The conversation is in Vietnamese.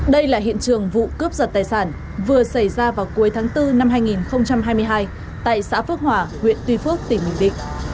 đây là hiện trường vụ cướp giật tài sản vừa xảy ra vào cuối tháng bốn năm hai nghìn hai mươi hai tại xã phước hòa huyện tuy phước tỉnh bình định